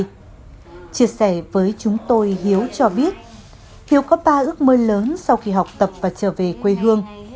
chia sẻ với chúng tôi hiếu cho biết hiếu có ba ước mơ lớn sau khi học tập và trở về quê hương